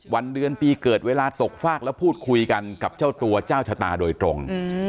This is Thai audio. วันเดือนปีเกิดเวลาตกฟากแล้วพูดคุยกันกับเจ้าตัวเจ้าชะตาโดยตรง